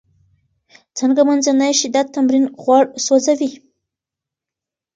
څنګه منځنی شدت تمرین غوړ سوځوي؟